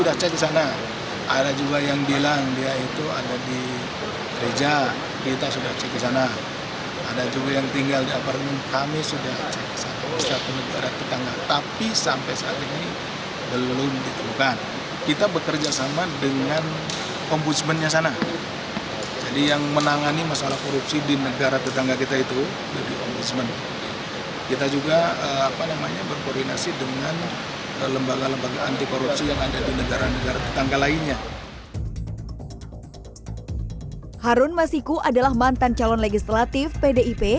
harun masiku adalah mantan calon legislatif pdip